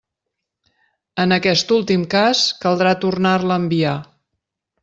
En aquest últim cas, caldrà tornar-la a enviar.